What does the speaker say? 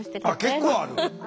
結構ある？